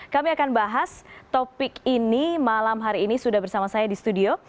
kami akan bahas topik ini malam hari ini sudah bersama saya di studio